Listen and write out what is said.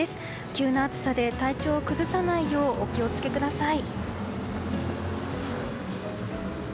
急な暑さで体調を崩さないようお気を付けください。